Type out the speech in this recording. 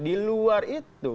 di luar itu